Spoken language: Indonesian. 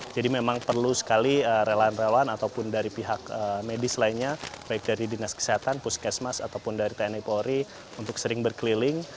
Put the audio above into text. jadi memang perlu sekali relawan relawan ataupun dari pihak medis lainnya baik dari dinas kesehatan puskesmas ataupun dari tni polri untuk sering berkeliling